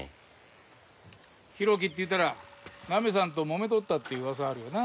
浩喜っていったらナミさんともめとったって噂あるよな。